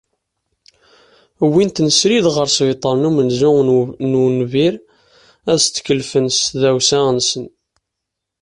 Uwin-ten srid ɣer sbiṭer n umenzu n unbir ad setkelfen s tdawsa-nsen.